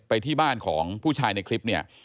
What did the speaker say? ไปที่บ้านของผู้ชายในคลิปเนี่ย